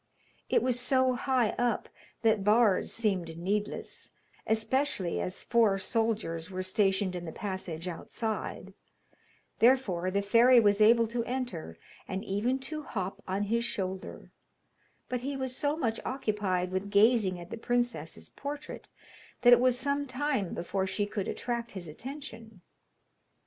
It was so high up that bars seemed needless, especially as four soldiers were stationed in the passage outside, therefore the fairy was able to enter, and even to hop on his shoulder, but he was so much occupied with gazing at the princess's portrait that it was some time before she could attract his attention.